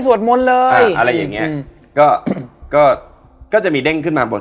สวดมนต์